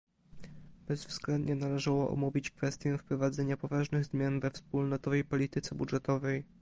Bezwzględnie należało omówić kwestię wprowadzenia poważnych zmian we wspólnotowej polityce budżetowej